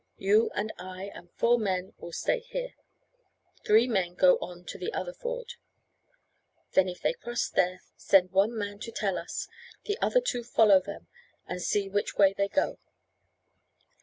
You and I and four men will stay here; three men go on to other ford, then if they cross there, send one man to tell us; the other two follow them, and see which way they go."